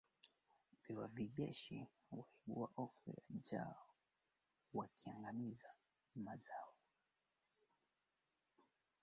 Wakati wa oparesheni hiyo mji wa Nairobi ulidhibitiwa na wanajeshi